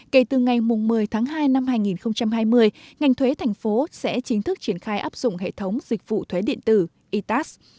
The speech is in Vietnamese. kể từ ngày một mươi tháng hai năm hai nghìn hai mươi ngành thuế thành phố sẽ chính thức triển khai áp dụng hệ thống dịch vụ thuế điện tử itas